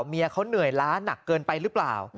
เมียเขาเหนื่อยล้าหนักเกินไปหรือเปล่า